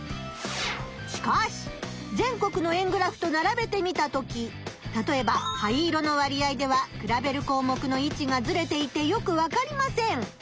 しかし全国の円グラフとならべてみたときたとえば灰色の割合では比べるこうもくのいちがずれていてよくわかりません。